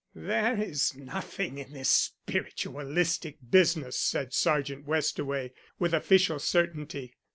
"There is nothing in this spiritualistic business," said Sergeant Westaway, with official certainty.